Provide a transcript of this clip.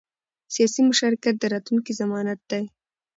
سیاسي مشارکت د راتلونکي ضمانت دی